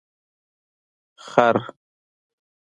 🫏 خر